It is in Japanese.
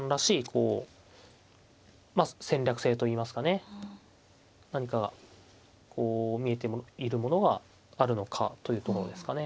こう戦略性といいますかね何かがこう見えているものはあるのかというところですかね。